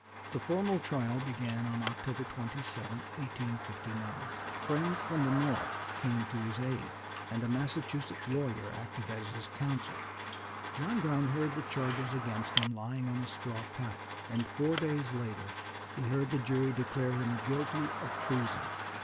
The formal trial began on October 27, 1859. Friends from the North came to his aid, and a Massachusetts lawyer acted as his counsel. John Brown heard the charges against him lying on a straw pallet, and four days later he heard the jury declare him guilty of treason.